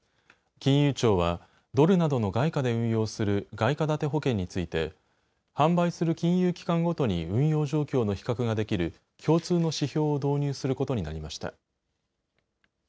金融庁はドルなどの外貨で運用する外貨建て保険について販売する金融機関ごとに運用状況の比較ができる共通の指標を導入することになりました。